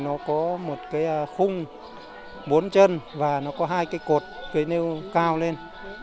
nó có một cái khung bốn chân và nó có hai cái cột cây nêu cao lên